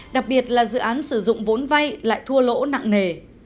đặc biệt là dự án sử dụng vốn vay lại thua lỗ nặng nề